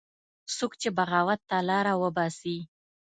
څوک چې بغاوت ته لاره وباسي